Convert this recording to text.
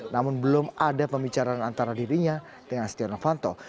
namun belum ada pembicaraan antara dirinya dengan siti ravanto